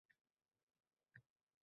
U shartta qo`l tashladi